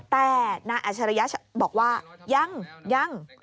แต่นายอัชริยะบอกว่ายังยัง